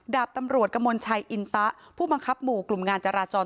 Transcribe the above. ดาบตำรวจกมลชัยอินตะผู้บังคับหมู่กลุ่มงานจราจร